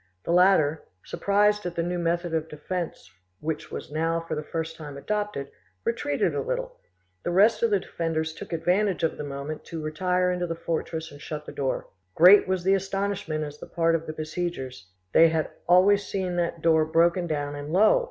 The latter, surprised at the new method of defence which was now for the first time adopted, retreated a little; the rest of the defenders took advantage of the moment to retire into the fortress and shut the door. Great was the astonishment an the part of the besiegers: they had always seen that door broken down, and lo!